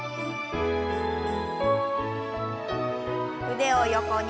腕を横に。